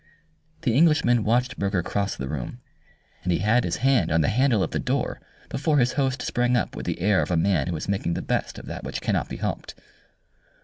The Englishman watched Burger cross the room, and he had his hand on the handle of the door before his host sprang up with the air of a man who is making the best of that which cannot be helped.